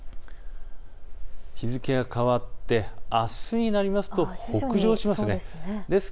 日付が変わってあすになると北上します。